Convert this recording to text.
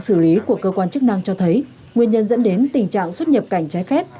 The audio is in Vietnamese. xử lý của cơ quan chức năng cho thấy nguyên nhân dẫn đến tình trạng xuất nhập cảnh trái phép